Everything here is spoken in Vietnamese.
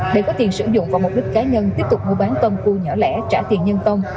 để có tiền sử dụng vào mục đích cá nhân tiếp tục mua bán tôm cua nhỏ lẻ trả tiền nhân tông